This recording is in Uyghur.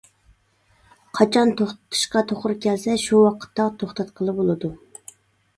قاچان توختىتىشقا توغرا كەلسە شۇ ۋاقىتتا توختاتقىلى بولىدۇ.